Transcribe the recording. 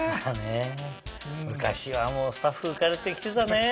昔はもうスタッフ浮かれて着てたね。